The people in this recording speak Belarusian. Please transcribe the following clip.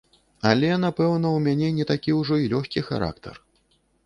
Але, напэўна, у мяне не такі ўжо і лёгкі характар.